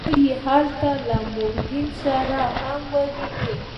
ښایي هلته له مورګان سره هم وویني